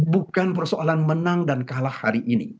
bukan persoalan menang dan kalah hari ini